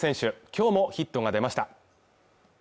今日もヒットが出ました